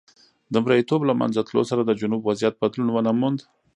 د مریتوب له منځه تلو سره د جنوب وضعیت بدلون ونه موند.